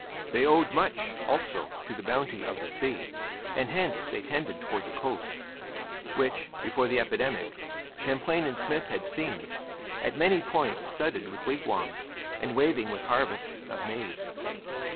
They owed much, also, to the bounty of the sea, and hence they tended towards the coast; which, before the epidemic, Champlain and Smith had seen at many points studded with wigwams and waving with harvests of maize.